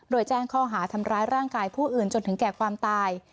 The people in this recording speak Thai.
โดยแจ้งข้อหาทำร้ายร่างกายผู้อื่นจนถึงแก่ความตาย